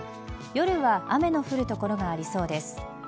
夜は雨の降る所がありそうです。